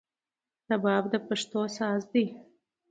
رباب د پښتو ساز دی